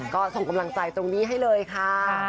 ก็ส่งกำลังใจตรงนี้ให้เลยค่ะ